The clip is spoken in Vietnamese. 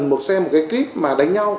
một cái clip mà đánh nhau